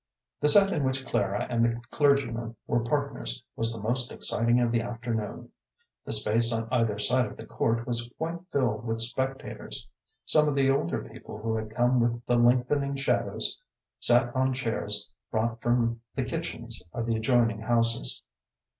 The set in which Clara and the clergyman were partners was the most exciting of the afternoon. The space on either side of the court was quite filled with spectators. Some of the older people who had come with the lengthening shadows sat on chairs brought from the kitchens of the adjoining houses.